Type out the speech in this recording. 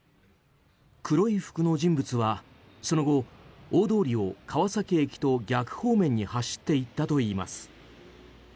黒い服の人物はその後、大通りを川崎駅と逆方面に走っていったといいます。